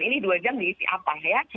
ini dua jam diisi apa ya